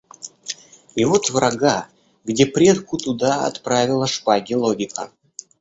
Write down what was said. И вот врага, где предку туда отправила шпаги логика.